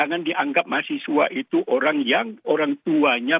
jangan dianggap mahasiswa itu orang yang orang tuanya